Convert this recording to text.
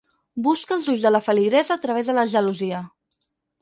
Busca els ulls de la feligresa a través de la gelosia.